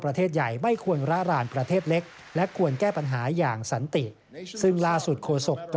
ประเทศใหญ่ไม่ควรร้านประเทศเล็ก